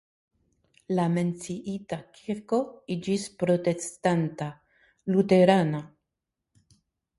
La menciita kirko iĝis protestanta (luterana).